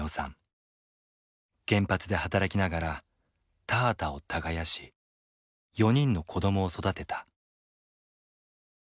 原発で働きながら田畑を耕し４人の子どもを育てた。